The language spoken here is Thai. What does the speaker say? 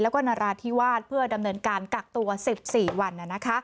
แล้วก็นราธิวาสเพื่อดำเนินการกักตัว๑๔วัน